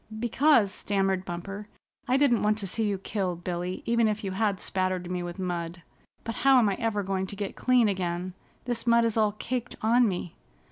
"Because," stammered Bumper, "I didn't want to see you killed, Billy, even if you had spattered me with mud. But how am I ever going to get clean again? This mud is all caked on me."